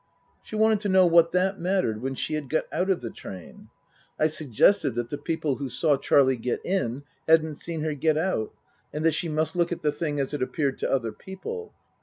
She wanted to know what that mattered when she had got out of the train ? I suggested that the people who saw Charlie get in hadn't seen her get out, and that she must look at the thing as it appeared to other people.